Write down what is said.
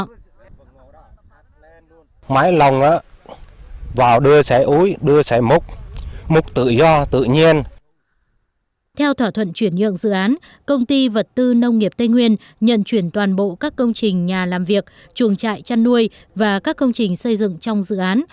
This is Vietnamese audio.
theo thỏa thuận chuyển nhượng dự án công ty vật tư nông nghiệp tây nguyên nhận chuyển toàn bộ các công trình nhà làm việc chuồng trại chăn nuôi và các công trình xây dựng trong dự án